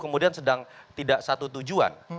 kemudian sedang tidak satu tujuan